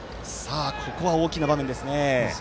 ここは大きな場面ですね。